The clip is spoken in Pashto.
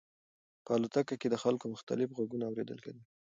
په الوتکه کې د خلکو مختلف غږونه اورېدل کېدل.